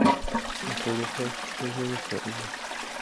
د خوړو پاکې چړې وکاروئ.